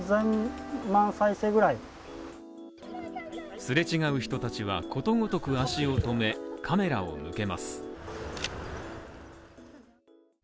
すれ違う人たちはことごとく足を止め、カメラを向けます。